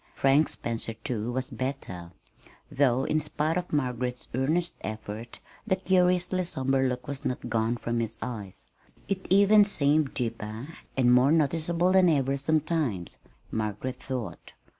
Frank Spencer, too, was better, though in spite of Margaret's earnest efforts the curiously somber look was not gone from his eyes. It even seemed deeper and more noticeable than ever sometimes, Margaret thought.